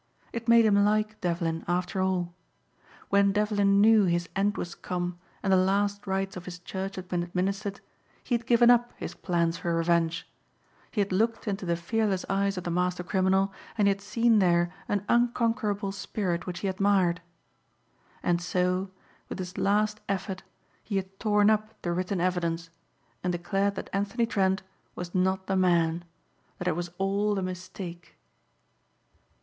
It made him like Devlin after all. When Devlin knew his end was come and the last rites of his church had been administered he had given up his plans for revenge. He had looked into the fearless eyes of the master criminal and he had seen there an unconquerable spirit which he admired. And so, with his last effort he had torn up the written evidence and declared that Anthony Trent was not the man; that it was all a mistake.